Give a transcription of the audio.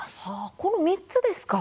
この３つですか。